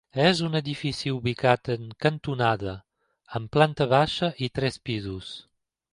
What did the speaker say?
És un edifici ubicat en cantonada amb planta baixa i tres pisos.